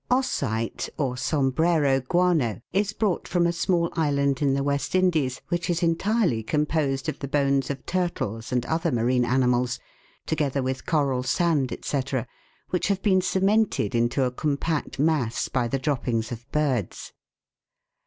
Osite or Sombrero guano is brought from a small island in the West Indies, which is entirely composed of the bones of turtles and other marine animals, together with coral sand, &c., which have been cemented into a compact mass by the droppings of birds.